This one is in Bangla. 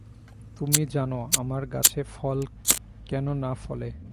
তুমি জান আমার গাছে ফল কেন না ফলে!